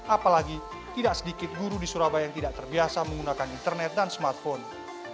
apalagi tidak sedikit guru di surabaya yang tidak terbiasa menggunakan internet dan smartphone